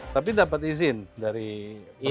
tapi dapat izin dari